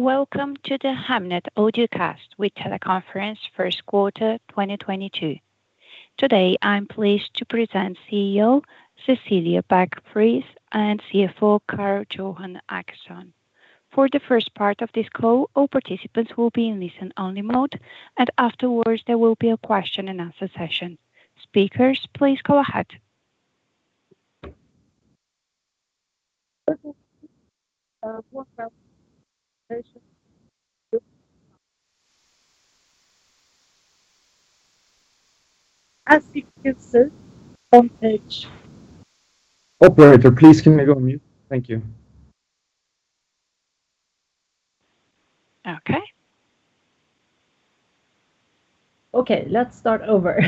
Welcome to the Hemnet Audiocast with teleconference first quarter 2022. Today, I'm pleased to present CEO Cecilia Beck-Friis and CFO Carl-Johan Åkesson. For the first part of this call, all participants will be in listen-only mode, and afterwards, there will be a question and answer session. Speakers, please go ahead. Welcome. As you can see from page Operator, please can we go on mute? Thank you. Okay. Okay, let's start over.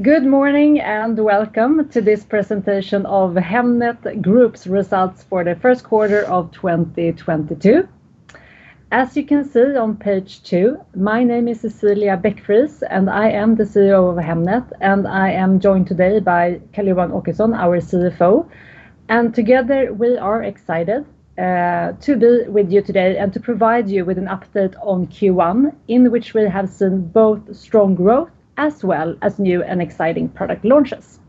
Good morning, and welcome to this presentation of Hemnet Group's results for the first quarter of 2022. As you can see on page two, my name is Cecilia Beck-Friis, and I am the CEO of Hemnet, and I am joined today by Carl-Johan Åkesson, our CFO. Together we are excited to be with you today and to provide you with an update on Q1, in which we have seen both strong growth as well as new and exciting product launches.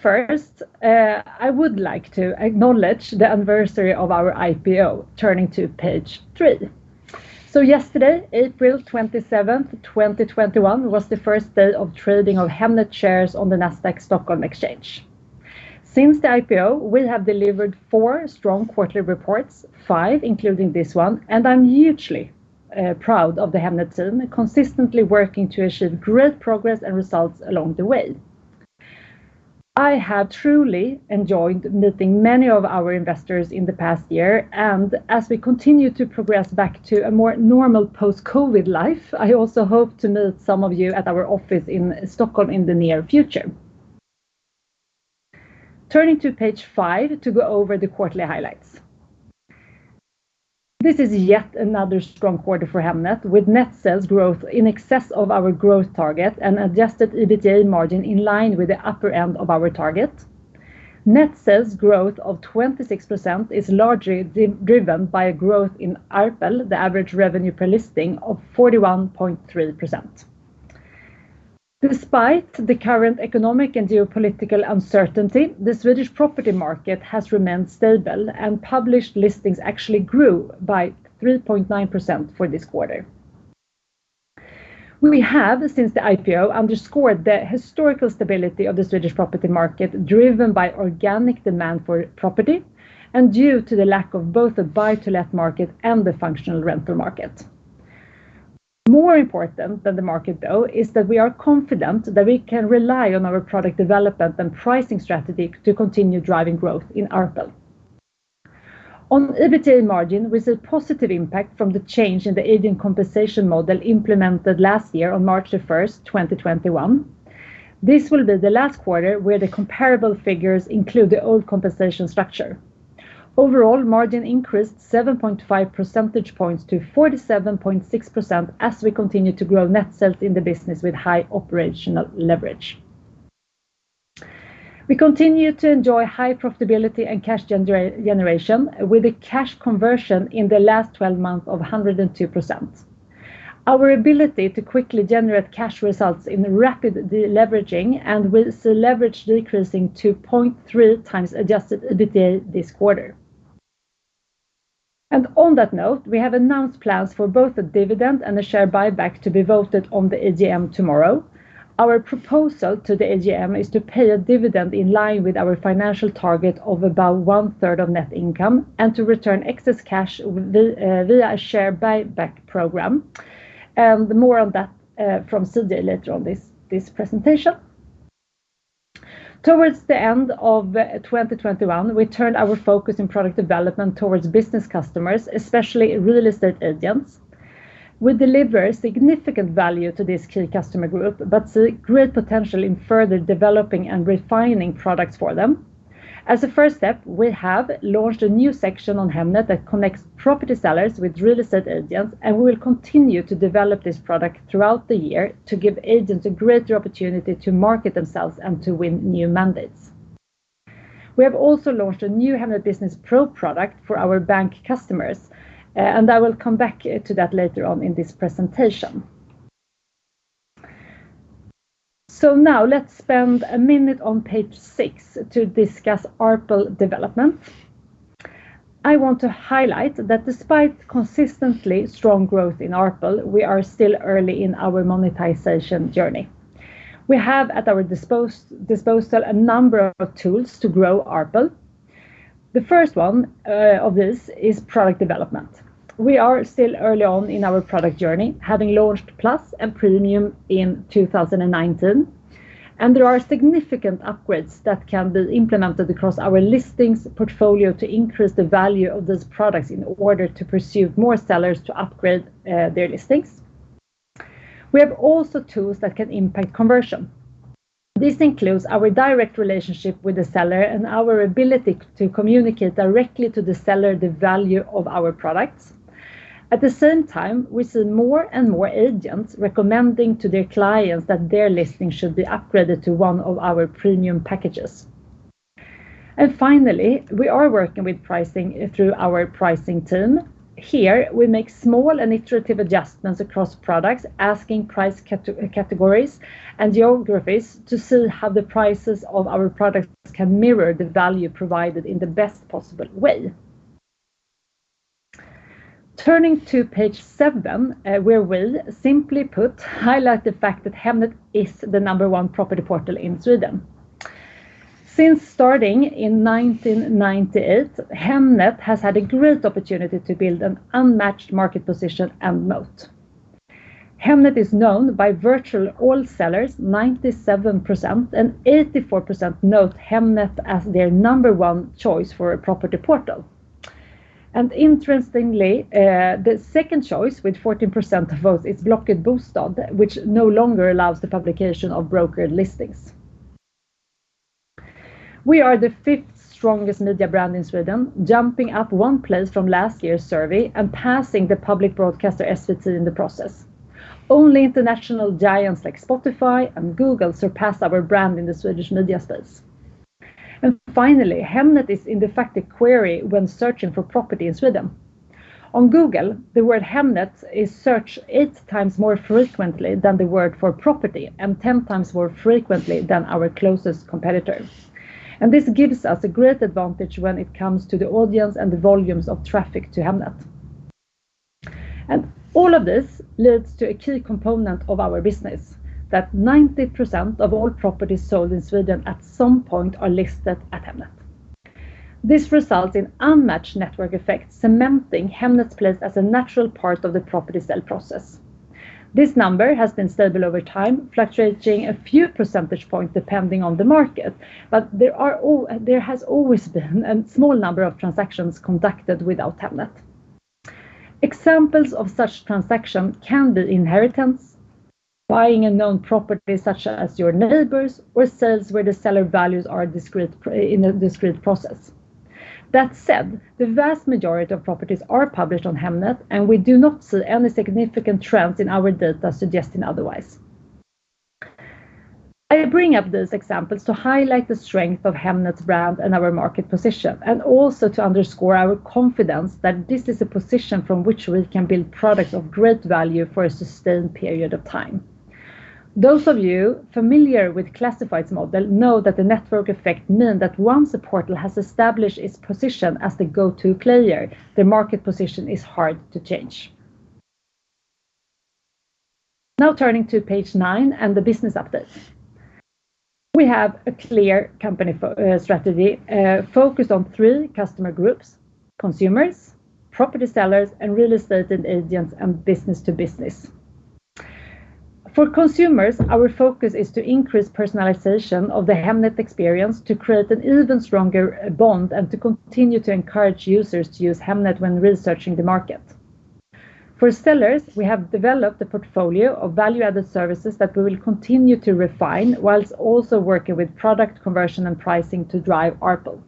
First, I would like to acknowledge the anniversary of our IPO, turning to page three. Yesterday, April 27th, 2021 was the first day of trading of Hemnet shares on the Nasdaq Stockholm exchange. Since the IPO, we have delivered four strong quarterly reports, five, including this one, and I'm hugely proud of the Hemnet team, consistently working to achieve great progress and results along the way. I have truly enjoyed meeting many of our investors in the past year, and as we continue to progress back to a more normal post-COVID life, I also hope to meet some of you at our office in Stockholm in the near future. Turning to page five to go over the quarterly highlights. This is yet another strong quarter for Hemnet with net sales growth in excess of our growth target and Adjusted EBITDA margin in line with the upper end of our target. Net sales growth of 26% is largely driven by a growth in ARPL, the average revenue per listing, of 41.3%. Despite the current economic and geopolitical uncertainty, the Swedish property market has remained stable, and published listings actually grew by 3.9% for this quarter. We have, since the IPO, underscored the historical stability of the Swedish property market, driven by organic demand for property and due to the lack of both the buy to let market and the functional rental market. More important than the market, though, is that we are confident that we can rely on our product development and pricing strategy to continue driving growth in ARPL. On EBITDA margin, we see positive impact from the change in the agent compensation model implemented last year on March 1st, 2021. This will be the last quarter where the comparable figures include the old compensation structure. Overall, margin increased 7.5 percentage points to 47.6% as we continue to grow net sales in the business with high operational leverage. We continue to enjoy high profitability and cash generation with a cash conversion in the last 12 months of 102%. Our ability to quickly generate cash results in rapid de-leveraging, and we see leverage decreasing to 0.3x Adjusted EBITDA this quarter. On that note, we have announced plans for both a dividend and a share buyback to be voted on the AGM tomorrow. Our proposal to the AGM is to pay a dividend in line with our financial target of about 1/3 of net income and to return excess cash via a share buyback program, and more on that from CJ later on this presentation. Towards the end of 2021, we turned our focus in product development towards business customers, especially real estate agents. We deliver significant value to this key customer group, but see great potential in further developing and refining products for them. As a first step, we have launched a new section on Hemnet that connects property sellers with real estate agents, and we will continue to develop this product throughout the year to give agents a greater opportunity to market themselves and to win new mandates. We have also launched a new Hemnet Business Pro product for our bank customers, and I will come back to that later on in this presentation. Now let's spend a minute on page 6 to discuss ARPL development. I want to highlight that despite consistently strong growth in ARPL, we are still early in our monetization journey. We have at our disposal a number of tools to grow ARPL. The first one of this is product development. We are still early on in our product journey, having launched Plus and Premium in 2019, and there are significant upgrades that can be implemented across our listings portfolio to increase the value of these products in order to pursue more sellers to upgrade their listings. We have also tools that can impact conversion. This includes our direct relationship with the seller and our ability to communicate directly to the seller the value of our products. At the same time, we see more and more agents recommending to their clients that their listing should be upgraded to one of our premium packages. Finally, we are working with pricing through our pricing team. Here, we make small and iterative adjustments across products, asking price categories and geographies to see how the prices of our products can mirror the value provided in the best possible way. Turning to page seven, where we'll simply put highlight the fact that Hemnet is the number one property portal in Sweden. Since starting in 1998, Hemnet has had a great opportunity to build an unmatched market position and moat. Hemnet is known by virtually all sellers, 97%, and 84% note Hemnet as their number one choice for a property portal. Interestingly, the second choice, with 14% of votes, is Blocket Bostad, which no longer allows the publication of brokered listings. We are the fifth strongest media brand in Sweden, jumping up one place from last year's survey and passing the public broadcaster SVT in the process. Only international giants like Spotify and Google surpass our brand in the Swedish media space. Finally, Hemnet is the de facto query when searching for property in Sweden. On Google, the word Hemnet is searched 8x more frequently than the word for property and 10x more frequently than our closest competitor. This gives us a great advantage when it comes to the audience and the volumes of traffic to Hemnet. All of this leads to a key component of our business, that 90% of all properties sold in Sweden at some point are listed at Hemnet. This results in unmatched network effects, cementing Hemnet's place as a natural part of the property sale process. This number has been stable over time, fluctuating a few percentage points depending on the market, but there has always been a small number of transactions conducted without Hemnet. Examples of such transactions can be inheritance, buying a known property such as your neighbor's, or sales where the seller values discretion, in a discreet process. That said, the vast majority of properties are published on Hemnet, and we do not see any significant trends in our data suggesting otherwise. I bring up those examples to highlight the strength of Hemnet's brand and our market position, and also to underscore our confidence that this is a position from which we can build products of great value for a sustained period of time. Those of you familiar with classifieds model know that the network effect mean that once a portal has established its position as the go-to player, the market position is hard to change. Now turning to page nine and the business update. We have a clear company strategy, focused on three customer groups: consumers, property sellers, and real estate agents and business to business. For consumers, our focus is to increase personalization of the Hemnet experience to create an even stronger bond and to continue to encourage users to use Hemnet when researching the market. For sellers, we have developed a portfolio of value-added services that we will continue to refine whilst also working with product conversion and pricing to drive ARPU.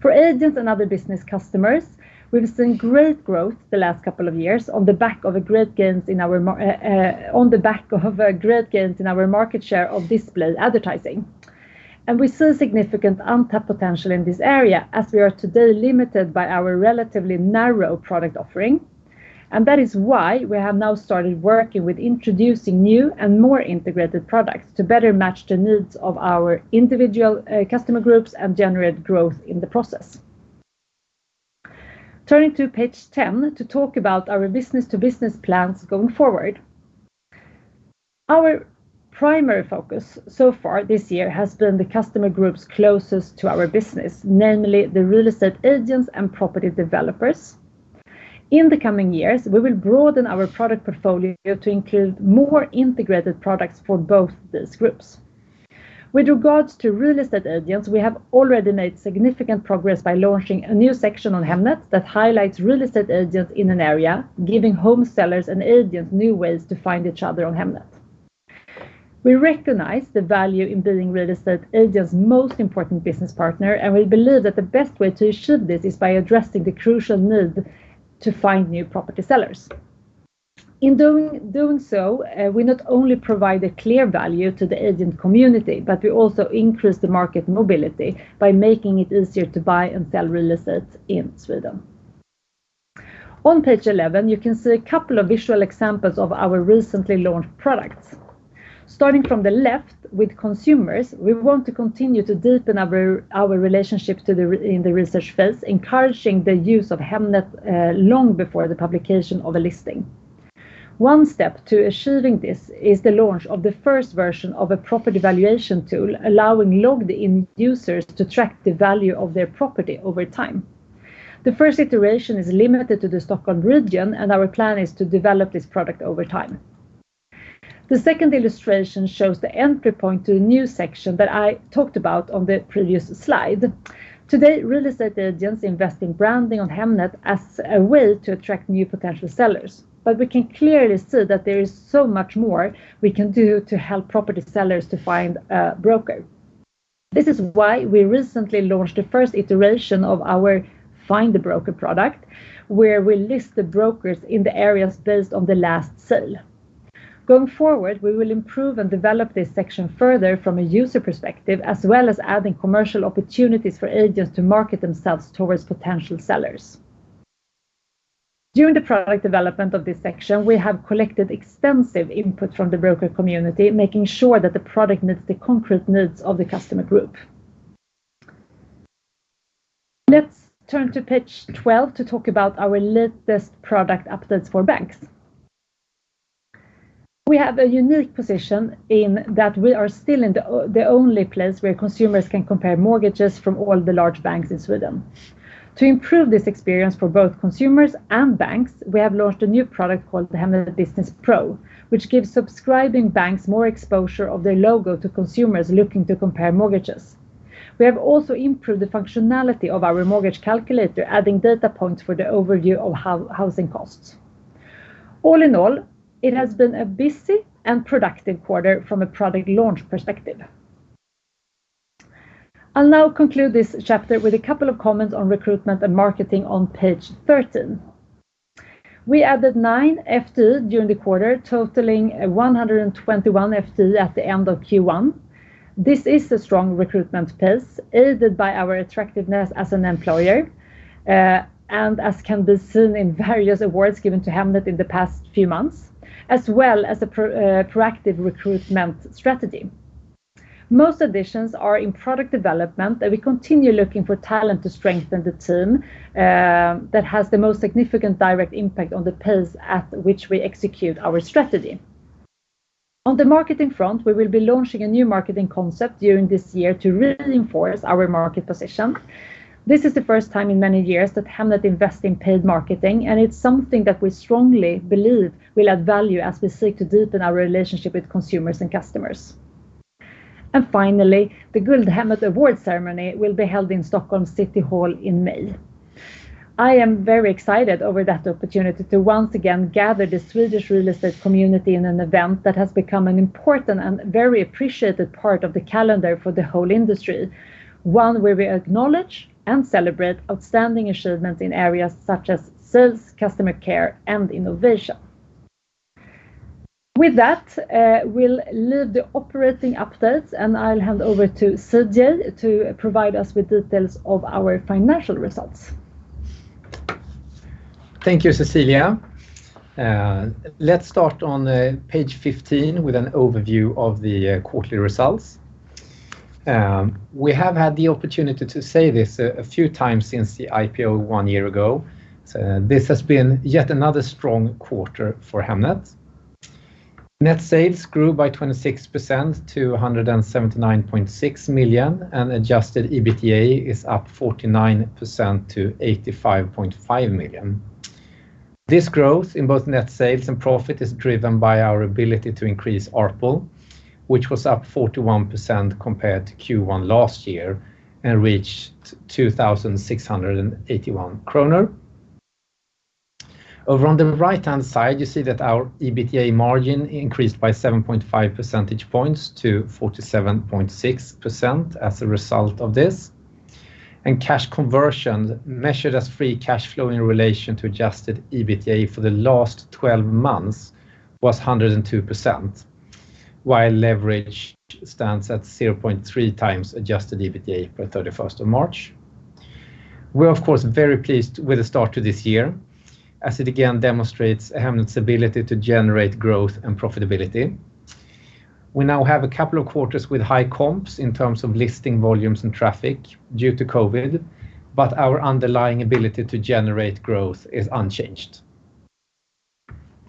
For agents and other business customers, we've seen great growth the last couple of years on the back of great gains in our market share of display advertising. We see significant untapped potential in this area as we are today limited by our relatively narrow product offering. That is why we have now started working with introducing new and more integrated products to better match the needs of our individual customer groups and generate growth in the process. Turning to page 10 to talk about our business to business plans going forward. Our primary focus so far this year has been the customer groups closest to our business, namely the real estate agents and property developers. In the coming years, we will broaden our product portfolio to include more integrated products for both these groups. With regards to real estate agents, we have already made significant progress by launching a new section on Hemnet that highlights real estate agents in an area, giving home sellers and agents new ways to find each other on Hemnet. We recognize the value in being real estate agents' most important business partner, and we believe that the best way to achieve this is by addressing the crucial need to find new property sellers. In doing so, we not only provide a clear value to the agent community, but we also increase the market mobility by making it easier to buy and sell real estate in Sweden. On page 11, you can see a couple of visual examples of our recently launched products. Starting from the left, with consumers, we want to continue to deepen our relationship in the research phase, encouraging the use of Hemnet long before the publication of a listing. One step to achieving this is the launch of the first version of a property valuation tool, allowing logged-in users to track the value of their property over time. The first iteration is limited to the Stockholm region, and our plan is to develop this product over time. The second illustration shows the entry point to a new section that I talked about on the previous slide. Today, real estate agents invest in branding on Hemnet as a way to attract new potential sellers, but we can clearly see that there is so much more we can do to help property sellers to find a broker. This is why we recently launched the first iteration of our Find Your Broker product, where we list the brokers in the areas based on the last sale. Going forward, we will improve and develop this section further from a user perspective, as well as adding commercial opportunities for agents to market themselves towards potential sellers. During the product development of this section, we have collected extensive input from the broker community, making sure that the product meets the concrete needs of the customer group. Let's turn to page 12 to talk about our latest product updates for banks. We have a unique position in that we are still in the only place where consumers can compare mortgages from all the large banks in Sweden. To improve this experience for both consumers and banks, we have launched a new product called Hemnet Business Pro, which gives subscribing banks more exposure of their logo to consumers looking to compare mortgages. We have also improved the functionality of our mortgage calculator, adding data points for the overview of housing costs. All in all, it has been a busy and productive quarter from a product launch perspective. I'll now conclude this chapter with a couple of comments on recruitment and marketing on page 13. We added nine FTE during the quarter, totaling 121 FTE at the end of Q1. This is a strong recruitment pace, aided by our attractiveness as an employer, and as can be seen in various awards given to Hemnet in the past few months, as well as a proactive recruitment strategy. Most additions are in product development, and we continue looking for talent to strengthen the team, that has the most significant direct impact on the pace at which we execute our strategy. On the marketing front, we will be launching a new marketing concept during this year to reinforce our market position. This is the first time in many years that Hemnet invest in paid marketing, and it's something that we strongly believe will add value as we seek to deepen our relationship with consumers and customers. Finally, the Guldhemmet Award ceremony will be held in Stockholm City Hall in May. I am very excited over that opportunity to once again gather the Swedish real estate community in an event that has become an important and very appreciated part of the calendar for the whole industry, one where we acknowledge and celebrate outstanding achievements in areas such as sales, customer care, and innovation. With that, we'll leave the operating updates, and I'll hand over to Carl Johan Åkesson to provide us with details of our financial results. Thank you, Cecilia. Let's start on page 15 with an overview of the quarterly results. We have had the opportunity to say this a few times since the IPO one year ago. This has been yet another strong quarter for Hemnet. Net sales grew by 26% to 179.6 million, and Adjusted EBITDA is up 49% to 85.5 million. This growth in both net sales and profit is driven by our ability to increase ARPU, which was up 41% compared to Q1 last year and reached 2,681 kronor. Over on the right-hand side, you see that our EBITDA margin increased by 7.5 percentage points to 47.6% as a result of this. Cash conversion, measured as free cash flow in relation to Adjusted EBITDA for the last 12 months, was 102%, while leverage stands at 0.3x Adjusted EBITDA by 31st of March. We're of course very pleased with the start to this year, as it again demonstrates Hemnet's ability to generate growth and profitability. We now have a couple of quarters with high comps in terms of listing volumes and traffic due to COVID, but our underlying ability to generate growth is unchanged.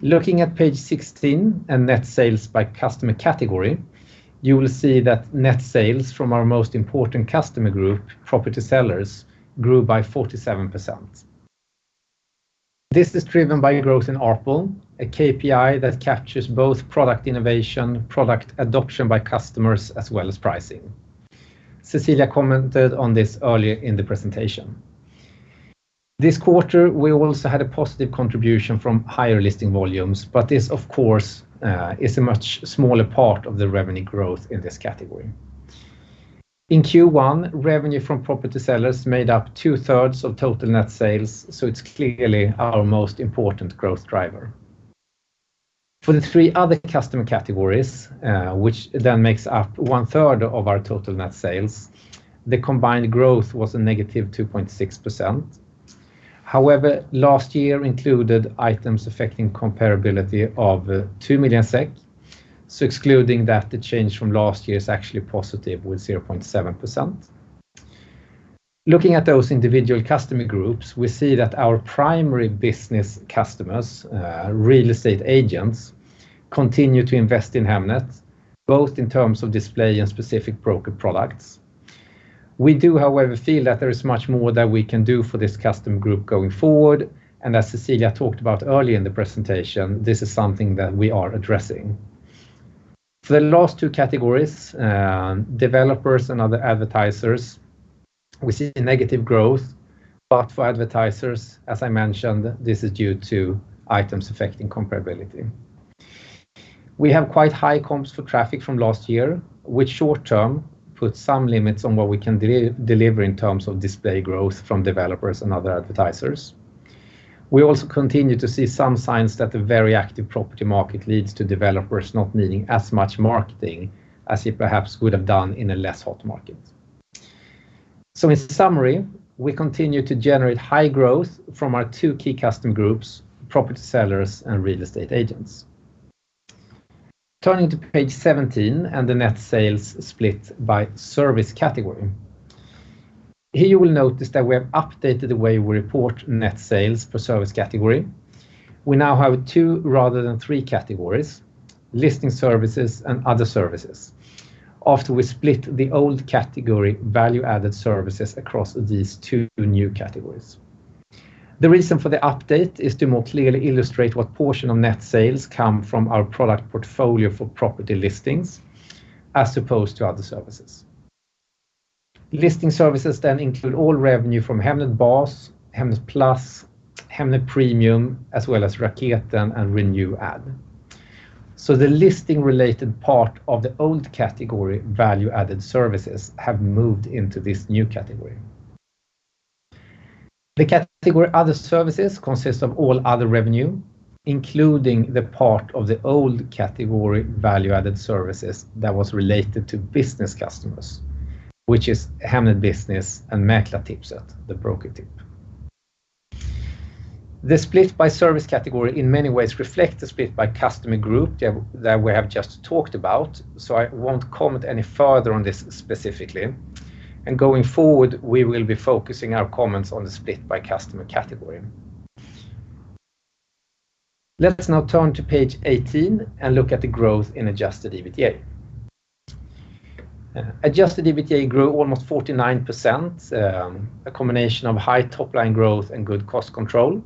Looking at page 16 and net sales by customer category, you will see that net sales from our most important customer group, property sellers, grew by 47%. This is driven by growth in ARPU, a KPI that captures both product innovation, product adoption by customers, as well as pricing. Cecilia commented on this earlier in the presentation. This quarter, we also had a positive contribution from higher listing volumes, but this, of course, is a much smaller part of the revenue growth in this category. In Q1, revenue from property sellers made up 2/3 of total net sales, so it's clearly our most important growth driver. For the three other customer categories, which then makes up 1/3 of our total net sales, the combined growth was a -2.6%. However, last year included items affecting comparability of 2 million SEK. Excluding that, the change from last year is actually positive with 0.7%. Looking at those individual customer groups, we see that our primary business customers, real estate agents, continue to invest in Hemnet, both in terms of display and specific broker products. We do, however, feel that there is much more that we can do for this customer group going forward, and as Cecilia talked about earlier in the presentation, this is something that we are addressing. For the last two categories, developers and other advertisers, we see a negative growth, but for advertisers, as I mentioned, this is due to items affecting comparability. We have quite high comps for traffic from last year, which short term put some limits on what we can deliver in terms of display growth from developers and other advertisers. We also continue to see some signs that the very active property market leads to developers not needing as much marketing as it perhaps would have done in a less hot market. In summary, we continue to generate high growth from our two key customer groups, property sellers and real estate agents. Turning to page 17 and the net sales split by service category. Here you will notice that we have updated the way we report net sales per service category. We now have two rather than three categories, listing services and other services, after we split the old category value-added services across these two new categories. The reason for the update is to more clearly illustrate what portion of net sales come from our product portfolio for property listings as opposed to other services. Listing services then include all revenue from Hemnet Bas, Hemnet Plus, Hemnet Premium, as well as Raketen and Renew listing. The listing related part of the old category value-added services have moved into this new category. The category other services consists of all other revenue, including the part of the old category value-added services that was related to business customers, which is Hemnet Business and Mäklartipset, the broker tip. The split by service category in many ways reflect the split by customer group that we have just talked about, so I won't comment any further on this specifically. Going forward, we will be focusing our comments on the split by customer category. Let's now turn to page 18 and look at the growth in Adjusted EBITDA. Adjusted EBITDA grew almost 49%, a combination of high top line growth and good cost control.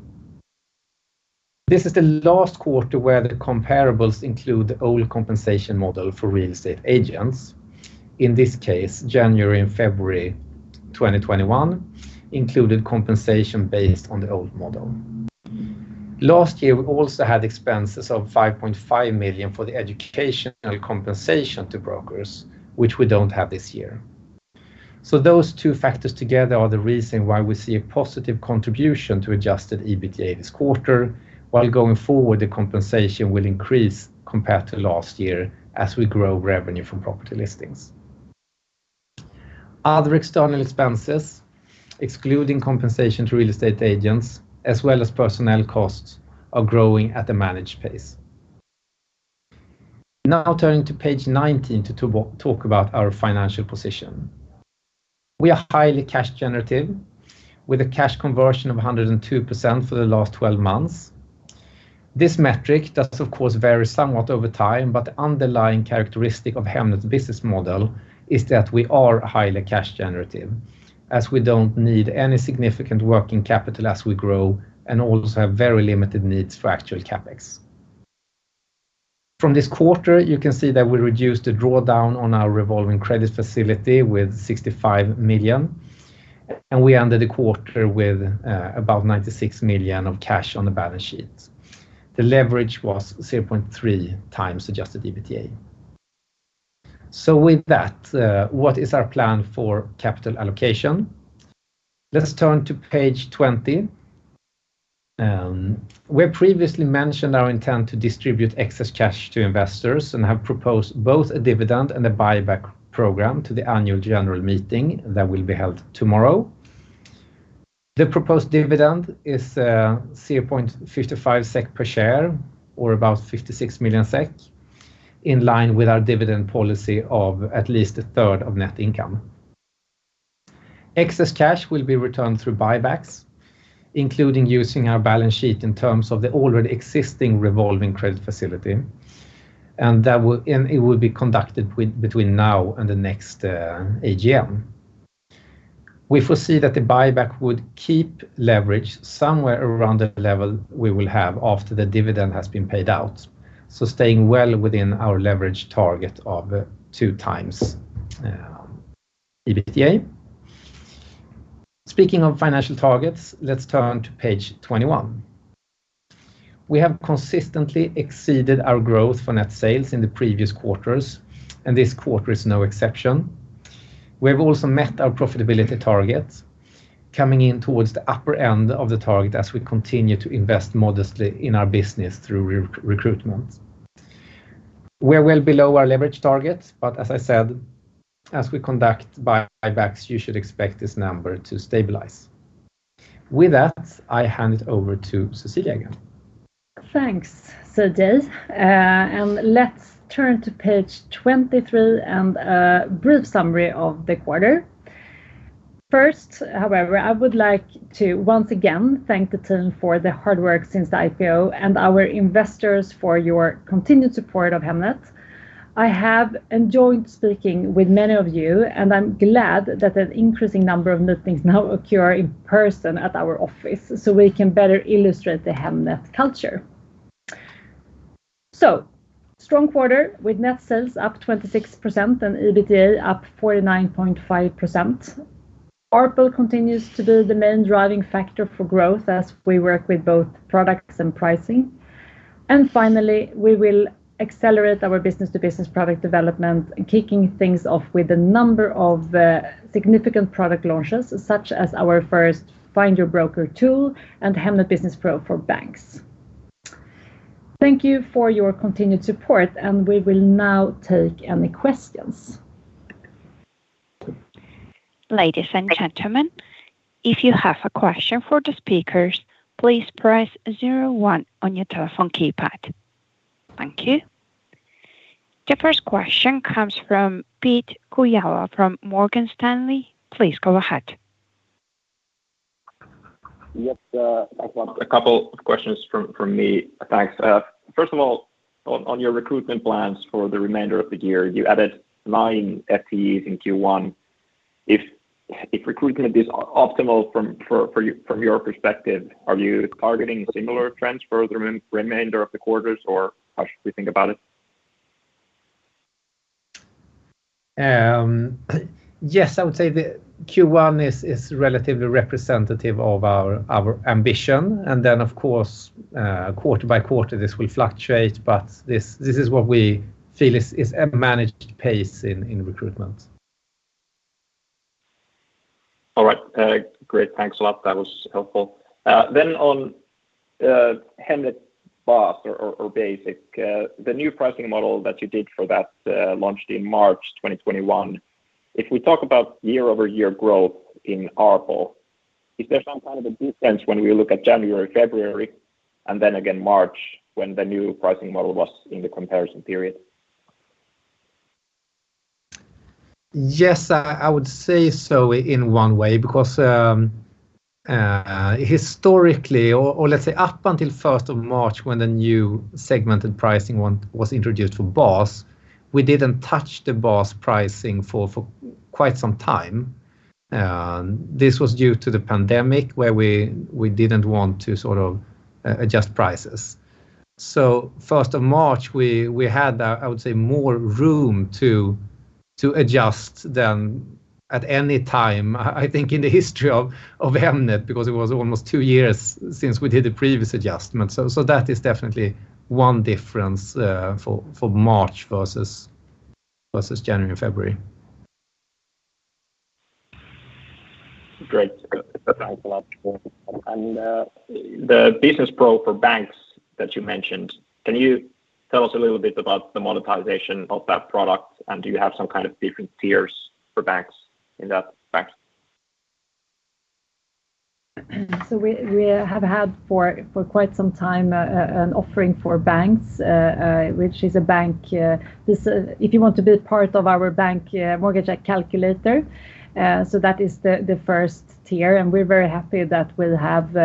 This is the last quarter where the comparables include the old compensation model for real estate agents. In this case, January and February 2021 included compensation based on the old model. Last year, we also had expenses of 5.5 million for the educational compensation to brokers, which we don't have this year. Those two factors together are the reason why we see a positive contribution to Adjusted EBITDA this quarter, while going forward, the compensation will increase compared to last year as we grow revenue from property listings. Other external expenses, excluding compensation to real estate agents as well as personnel costs, are growing at a managed pace. Now turning to page 19 to talk about our financial position. We are highly cash generative with a cash conversion of 102% for the last 12 months. This metric does, of course, vary somewhat over time, but the underlying characteristic of Hemnet's business model is that we are highly cash generative, as we don't need any significant working capital as we grow and also have very limited needs for actual CapEx. From this quarter, you can see that we reduced the drawdown on our revolving credit facility with 65 million, and we ended the quarter with about 96 million of cash on the balance sheet. The leverage was 0.3x Adjusted EBITDA. With that, what is our plan for capital allocation? Let's turn to page 20. We have previously mentioned our intent to distribute excess cash to investors and have proposed both a dividend and a buyback program to the annual general meeting that will be held tomorrow. The proposed dividend is 0.55 SEK per share or about 56 million SEK, in line with our dividend policy of at least one-third of net income. Excess cash will be returned through buybacks, including using our balance sheet in terms of the already existing revolving credit facility, and it will be conducted between now and the next AGM. We foresee that the buyback would keep leverage somewhere around the level we will have after the dividend has been paid out, so staying well within our leverage target of 2x EBITDA. Speaking of financial targets, let's turn to page 21. We have consistently exceeded our growth for net sales in the previous quarters, and this quarter is no exception. We have also met our profitability targets coming in towards the upper end of the target as we continue to invest modestly in our business through re-recruitment. We're well below our leverage target, but as I said, as we conduct buybacks, you should expect this number to stabilize. With that, I hand it over to Cecilia again. Thanks, CJ. Let's turn to page 23 and a brief summary of the quarter. First, however, I would like to once again thank the team for the hard work since the IPO and our investors for your continued support of Hemnet. I have enjoyed speaking with many of you, and I'm glad that an increasing number of meetings now occur in person at our office, so we can better illustrate the Hemnet culture. Strong quarter with net sales up 26% and EBITDA up 49.5%. ARPL continues to be the main driving factor for growth as we work with both products and pricing. Finally, we will accelerate our business to business product development, kicking things off with a number of significant product launches, such as our first Find Your Broker tool and Hemnet Business Pro for banks. Thank you for your continued support, and we will now take any questions. Ladies and gentlemen, if you have a question for the speakers, please press zero-one on your telephone keypad. Thank you. The first question comes from Pete Kujala from Morgan Stanley. Please go ahead. Yes, I've got a couple of questions from me. Thanks. First of all, on your recruitment plans for the remainder of the year, you added nine FTEs in Q1. If recruitment is optimal from your perspective, are you targeting similar trends for the remainder of the quarters, or how should we think about it? Yes, I would say the Q1 is relatively representative of our ambition. Of course, quarter by quarter, this will fluctuate, but this is what we feel is a managed pace in recruitment. All right. Great. Thanks a lot. That was helpful. On Hemnet Bas or Basic, the new pricing model that you did for that, launched in March 2021. If we talk about year-over-year growth in ARPL, is there some kind of a difference when we look at January, February, and then again March when the new pricing model was in the comparison period? Yes, I would say so in one way because, historically, or let's say up until first of March when the new segmented pricing one was introduced for Bas, we didn't touch the Bas pricing for quite some time. This was due to the pandemic where we didn't want to sort of adjust prices. First of March, we had, I would say, more room to adjust than at any time, I think in the history of Hemnet because it was almost two years since we did the previous adjustment. That is definitely one difference for March versus January and February. Great. Thanks a lot. The Business Pro for banks that you mentioned, can you tell us a little bit about the monetization of that product? Do you have some kind of different tiers for banks in that bank? We have had for quite some time an offering for banks. If you want to be part of our bank mortgage calculator, that is the first tier, and we're very happy that we'll have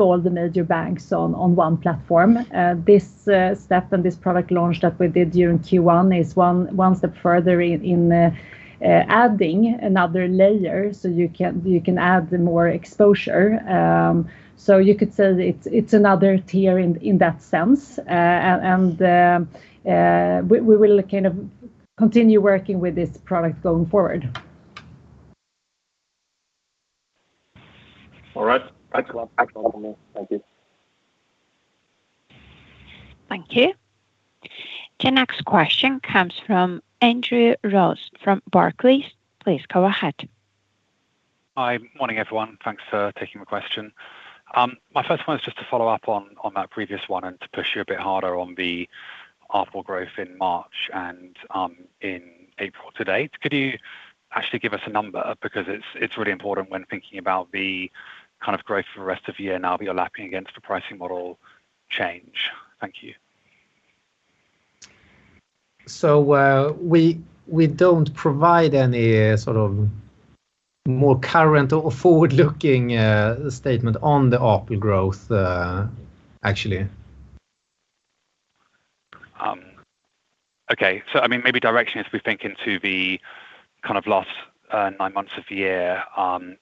all the major banks on one platform. This step and this product launch that we did during Q1 is one step further in adding another layer so you can add more exposure. You could say it's another tier in that sense. We will kind of continue working with this product going forward. All right. Thanks a lot. Thank you. Thank you. The next question comes from Andrew Ross from Barclays. Please go ahead. Hi. Morning, everyone. Thanks for taking the question. My first one is just to follow up on that previous one and to push you a bit harder on the ARPL growth in March and in April to-date. Could you actually give us a number? Because it's really important when thinking about the kind of growth for the rest of the year now you're lapping against the pricing model change. Thank you. We don't provide any sort of more current or forward-looking statement on the ARPL growth, actually. I mean, maybe directionally as we think into the kind of last nine months of the year,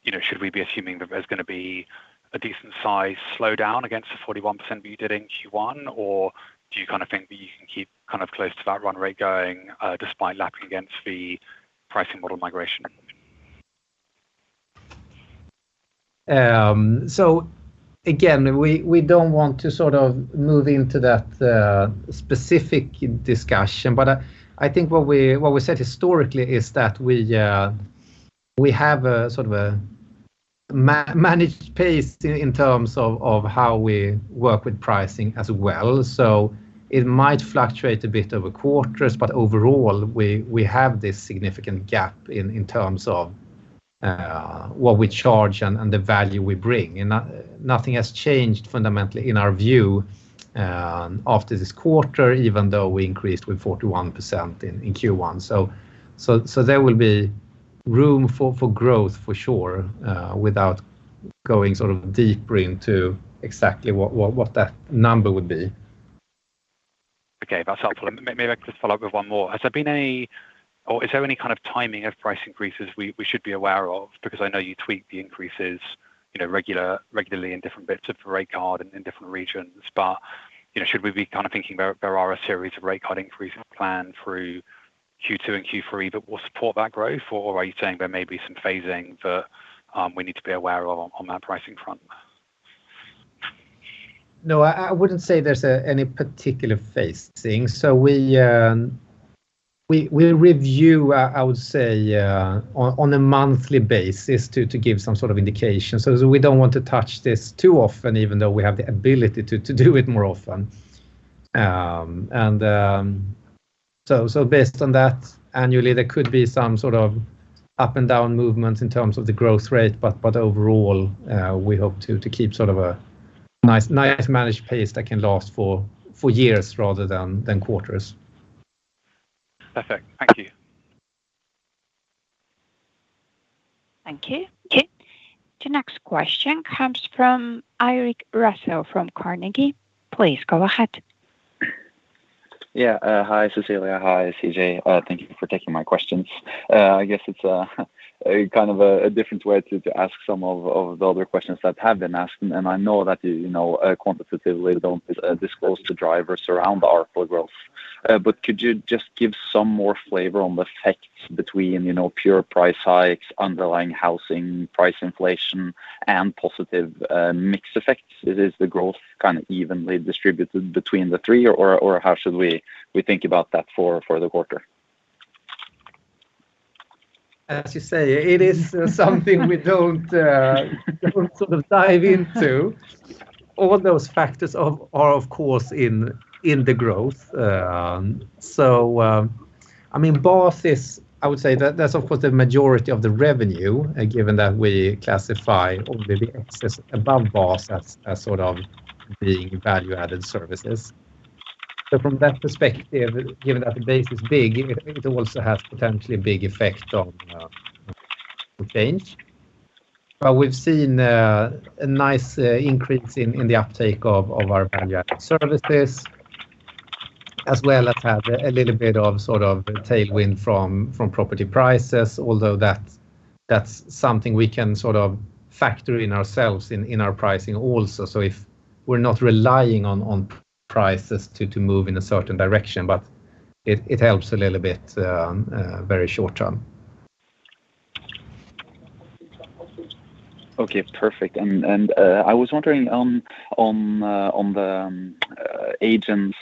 you know, should we be assuming that there's gonna be a decent size slowdown against the 41% that you did in Q1? Or do you kinda think that you can keep kind of close to that run rate going, despite lapping against the pricing model migration? Again, we don't want to sort of move into that specific discussion, but I think what we said historically is that we have a sort of a managed pace in terms of how we work with pricing as well. It might fluctuate a bit over quarters, but overall, we have this significant gap in terms of what we charge and the value we bring. Nothing has changed fundamentally in our view after this quarter, even though we increased with 41% in Q1. There will be room for growth for sure without going sort of deeper into exactly what that number would be. Okay. That's helpful. Maybe I could just follow up with one more. Has there been any? Or is there any kind of timing of price increases we should be aware of? Because I know you tweak the increases, you know, regularly in different bits of the rate card in different regions. You know, should we be kind of thinking there are a series of rate card increases planned through Q2 and Q3 that will support that growth? Or are you saying there may be some phasing that we need to be aware of on that pricing front? No, I wouldn't say there's any particular phasing. We review. I would say on a monthly basis to give some sort of indication. We don't want to touch this too often, even though we have the ability to do it more often. Based on that, annually there could be some sort of up and down movements in terms of the growth rate. Overall, we hope to keep sort of a nice managed pace that can last for years rather than quarters. Perfect. Thank you. Thank you. The next question comes from Eirik Rafdal from Carnegie. Please go ahead. Yeah. Hi, Cecilia. Hi, CJ. Thank you for taking my questions. I guess it's a kind of different way to ask some of the other questions that have been asked. I know that you know quantitatively don't disclose the drivers around the ARPL growth. But could you just give some more flavor on the effects between pure price hikes, underlying housing price inflation, and positive mix effects? Is the growth kind of evenly distributed between the three or how should we think about that for the quarter? As you say, it is something we don't sort of dive into. All those factors are of course in the growth. I mean, Bas is, I would say, that that's of course the majority of the revenue, given that we classify only the excess above Bas as sort of being value-added services. From that perspective, given that the base is big, it also has potentially a big effect on change. We've seen a nice increase in the uptake of our value-added services, as well as have a little bit of sort of tailwind from property prices. Although that's something we can sort of factor in ourselves in our pricing also. If we're not relying on prices to move in a certain direction, but it helps a little bit, very short term. Okay. Perfect. I was wondering on the agents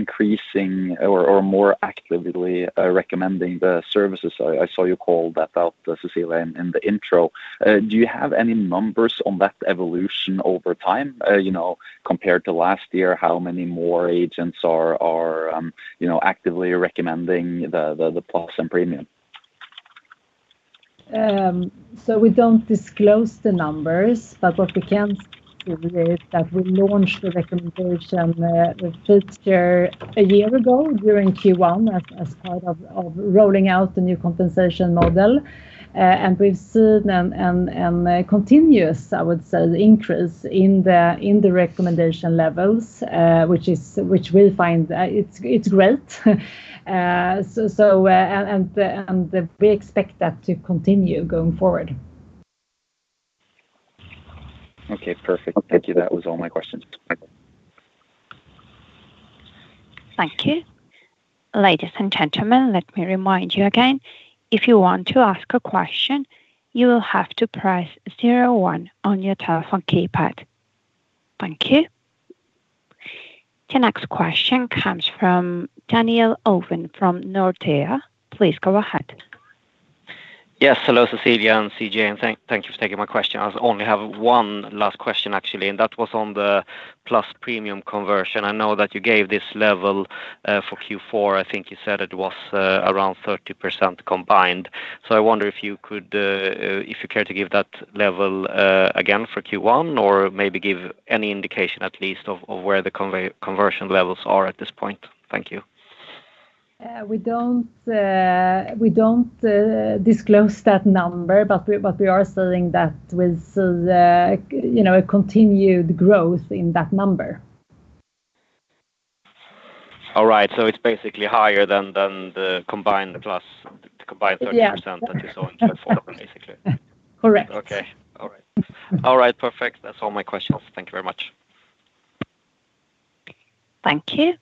increasing or more actively recommending the services. I saw you call that out, Cecilia, in the intro. Do you have any numbers on that evolution over time? You know, compared to last year, how many more agents are actively recommending the Plus and Premium? We don't disclose the numbers, but what we can say is that we launched the recommendation feature a year ago during Q1 as part of rolling out the new compensation model. We've seen an continuous, I would say, increase in the recommendation levels, which we find it's great. We expect that to continue going forward. Okay. Perfect. Thank you. That was all my questions. Thank you. Ladies and gentlemen, let me remind you again. If you want to ask a question, you will have to press zero one on your telephone keypad. Thank you. The next question comes from Daniel Owen from Nordea. Please go ahead. Yes. Hello, Cecilia and CJ, and thank you for taking my question. I only have one last question actually, and that was on the Plus Premium conversion. I know that you gave this level for Q4. I think you said it was around 30% combined. I wonder if you could, if you care to give that level again for Q1 or maybe give any indication at least of where the conversion levels are at this point. Thank you. We don't disclose that number, but we are seeing that with, you know, a continued growth in that number. All right. It's basically higher than the combined Plus, the combined 30% that you saw in Q4 basically. Correct. Okay. All right. Perfect. That's all my questions. Thank you very much. Thank you.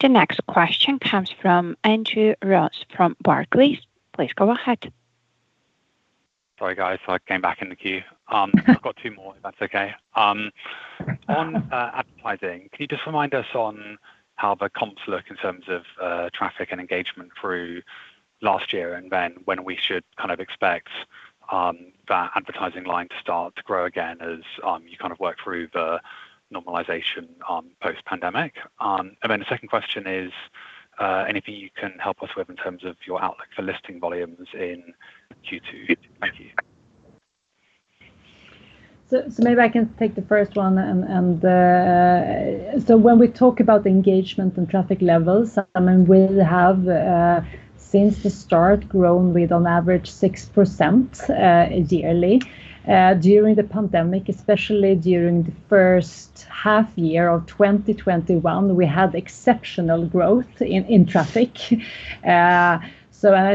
The next question comes from Andrew Ross from Barclays. Please go ahead. Sorry, guys. I came back in the queue. I've got two more, if that's okay. On advertising, can you just remind us on how the comps look in terms of traffic and engagement through last year? When we should kind of expect that advertising line to start to grow again as you kind of work through the normalization on post-pandemic? The second question is anything you can help us with in terms of your outlook for listing volumes in Q2? Thank you. Maybe I can take the first one. When we talk about the engagement and traffic levels, and we have since the start grown with on average 6% yearly. During the pandemic, especially during the first half year of 2021, we had exceptional growth in traffic. I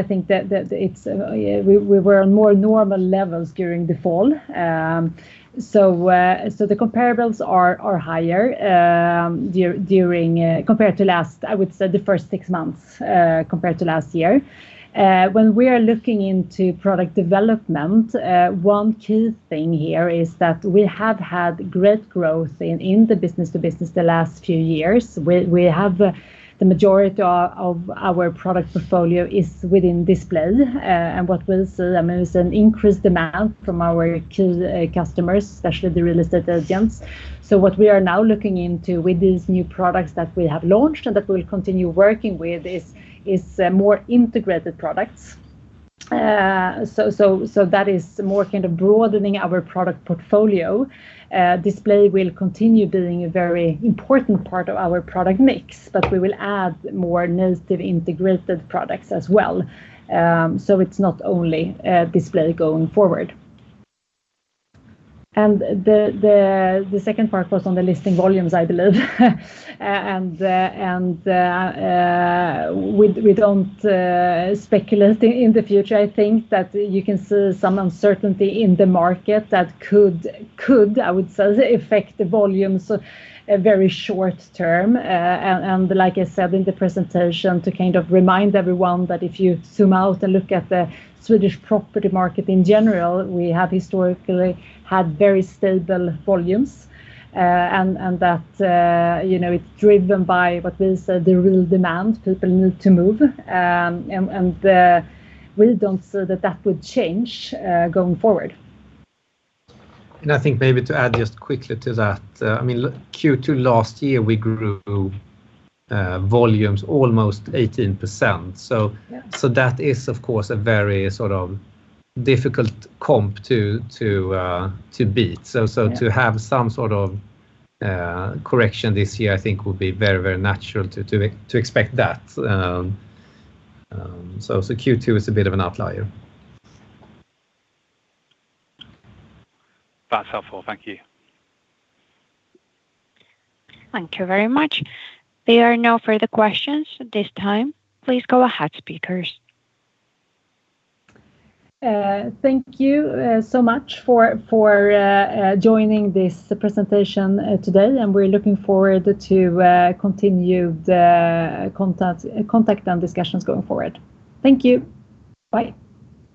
think that it's we were on more normal levels during the fall. The comparables are higher compared to last, I would say, the first six months compared to last year. When we are looking into product development, one key thing here is that we have had great growth in the business-to-business the last few years. We have the majority of our product portfolio is within display. What we'll see, I mean, is an increased demand from our customers, especially the real estate agents. What we are now looking into with these new products that we have launched and that we'll continue working with is more integrated products. That is more kind of broadening our product portfolio. Display will continue being a very important part of our product mix, but we will add more native integrated products as well. It's not only display going forward. The second part was on the listing volumes, I believe. We don't speculate in the future. I think that you can see some uncertainty in the market that could, I would say, affect the volumes very short term. Like I said in the presentation, to kind of remind everyone that if you zoom out and look at the Swedish property market in general, we have historically had very stable volumes. That, you know, it's driven by what we call the real demand. People need to move. We don't see that would change going forward. I think maybe to add just quickly to that, I mean, Q2 last year, we grew volumes almost 18%. Yeah. That is of course a very sort of difficult comp to beat. Yeah. To have some sort of correction this year, I think would be very natural to expect that. Q2 is a bit of an outlier. That's helpful. Thank you. Thank you very much. There are no further questions at this time. Please go ahead, speakers. Thank you so much for joining this presentation today, and we're looking forward to continue the contact and discussions going forward. Thank you. Bye.